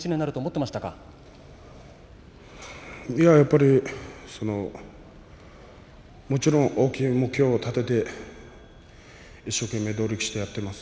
いや、やっぱり、そのもちろん大きい目標を立てて一生懸命、努力をしてやっています。